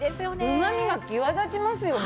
うまみが際立ちますよね。